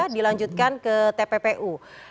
dilanjutkan ke tppu